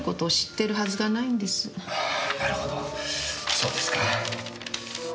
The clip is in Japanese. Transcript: そうですか。